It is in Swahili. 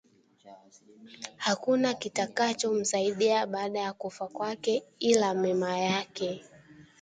Hakuna kitakacho msaidia baada ya kufa kwake ila mema yake